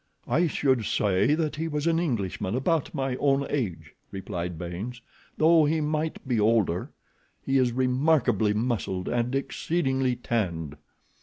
"I should say he was an Englishman, about my own age," replied Baynes; "though he might be older. He is remarkably muscled, and exceedingly tanned."